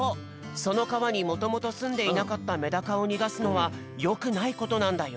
そのかわにもともとすんでいなかったメダカをにがすのはよくないことなんだよ。